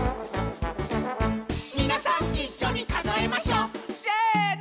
「みなさんいっしょに数えましょ」「せーの！」